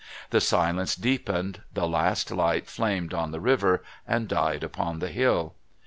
The silence deepened, the last light flamed on the river and died upon the hill.